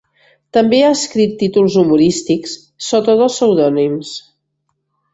També ha escrit títols humorístics sota dos pseudònims.